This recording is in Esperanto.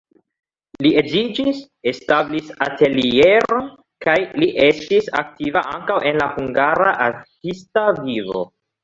Li edziĝis, establis atelieron kaj li estis aktiva ankaŭ en la hungara artista vivo.